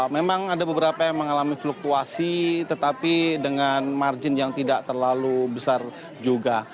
memang ada beberapa yang mengalami fluktuasi tetapi dengan margin yang tidak terlalu besar juga